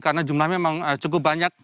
karena jumlahnya memang cukup banyak